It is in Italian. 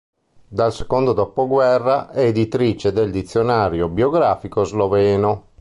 Dal secondo dopoguerra è editrice del Dizionario biografico sloveno.